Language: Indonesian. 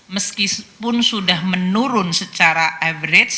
meskipun sudah menurun secara average